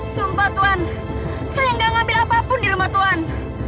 sumpah tuhan saya nggak ngambil apapun di rumah tuhan